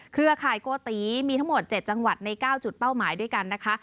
เครือข่ายโกติมีทั้งหมด๗จังหวัดใน๙จุดเป้าหมายด้วยกันนะคะ